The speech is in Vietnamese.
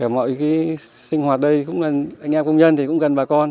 mọi sinh hoạt đây cũng là anh em công nhân thì cũng gần bà con